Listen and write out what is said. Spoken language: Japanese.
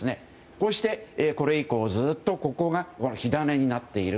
こうしてこれ以降ずっとここが火種になっている。